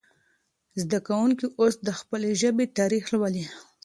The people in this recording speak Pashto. زده کوونکي اوس د خپلې ژبې تاریخ لولي.